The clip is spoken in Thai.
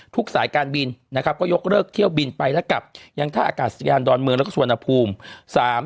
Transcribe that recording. ทุกสายการบินก็ยกเลิกเที่ยวบินไปแล้วกลับอย่างท่าอากาศยานดอนเมืองแล้วก็สวนภูมิ